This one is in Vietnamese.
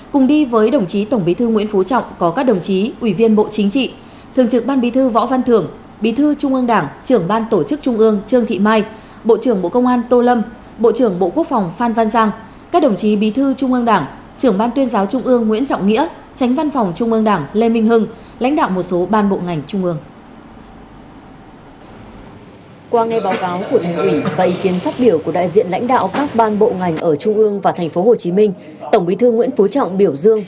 cùng đi với đồng chí tổng bí thư nguyễn phú trọng có các đồng chí ủy viên bộ chính trị thường trực ban bí thư võ văn thưởng bí thư trung ương đảng trưởng ban tổ chức trung ương trương thị mai bộ trưởng bộ công an tô lâm bộ trưởng bộ quốc phòng phan văn giang các đồng chí bí thư trung ương đảng trưởng ban tuyên giáo trung ương nguyễn trọng nghĩa tránh văn phòng trung ương đảng lê minh hưng lãnh đạo một số ban bộ ngành trung ương